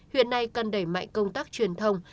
huyện này cần đẩy mạnh công tác truyền thông